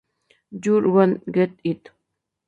You're Gonna Get It!